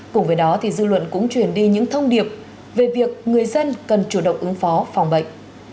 cùng với đó dư luận cũng truyền đi những thông điệp về việc người dân cần chủ động ứng phó phòng bệnh